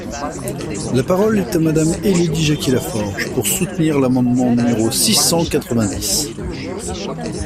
La parole est à Madame Élodie Jacquier-Laforge, pour soutenir l’amendement numéro six cent quatre-vingt-dix.